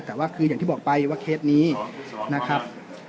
แต่ว่าคืออย่างที่บอกไปว่าเคสนี้นะครับ